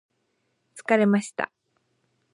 疲れました